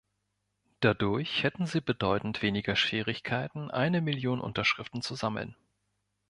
Dadurch hätten sie bedeutend weniger Schwierigkeiten, eine Million Unterschriften zu sammeln.